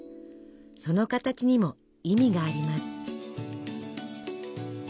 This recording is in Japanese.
その形にも意味があります。